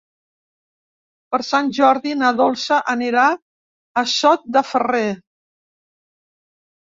Per Sant Jordi na Dolça anirà a Sot de Ferrer.